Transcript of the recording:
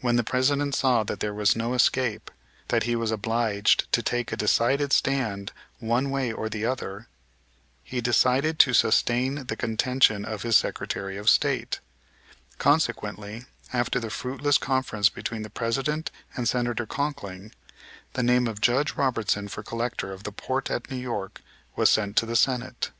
When the President saw that there was no escape, that he was obliged to take a decided stand one way or the other, he decided to sustain the contention of his Secretary of State. Consequently, after the fruitless conference between the President and Senator Conkling, the name of Judge Robertson for Collector of the port at New York, was sent to the Senate.